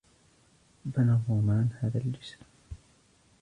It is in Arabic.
بنى الرومان هذا الجسر.